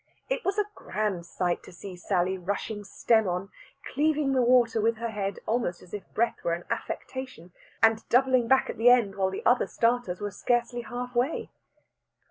It was a grand sight to see Sally rushing stem on, cleaving the water with her head almost as if breath were an affectation, and doubling back at the end while the other starters were scarcely half way.